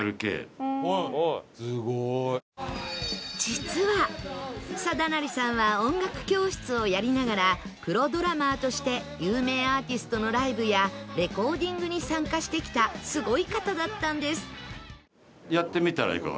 実は定成さんは音楽教室をやりながらプロドラマーとして有名アーティストのライブやレコーディングに参加してきたすごい方だったんです